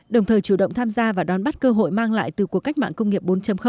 đồng thời chủ động tham gia và đón bắt cơ hội mang lại từ cuộc cách mạng công nghiệp bốn